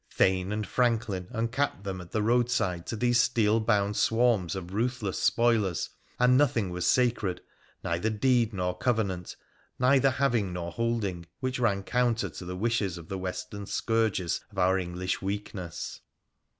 Thane and franklin uncapped them at the roadside to these steel bound swarms of ruthless spoilers, and nothing was sacred, neither deed nor covenant, neither having nor holding, which ran counter to the wishes of the western scourges of our English weakness.